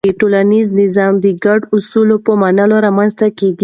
ټولنیز نظم د ګډو اصولو په منلو رامنځته کېږي.